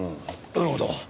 なるほど。